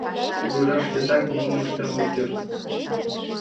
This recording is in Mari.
Кугыжа шкетак нимом ыштен ок керт.